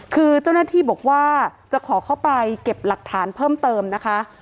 คือเจ้าหน้าที่บอกว่าจะขอเข้าไปเก็บหลักฐานเพิ่มเติมนะคะ